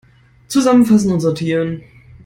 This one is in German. Zusammenfassen und sortieren!